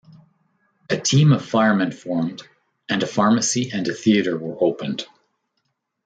A team of firemen formed, and a pharmacy and a theater were opened.